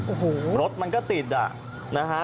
โอ้โหรถมันก็ติดอ่ะ